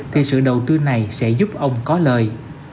thì sự đầu tư này sẽ giúp ông có lời